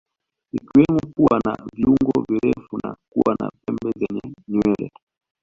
Ikiwemo kuwa na viungo virefu na kuwa na pembe zenye nywele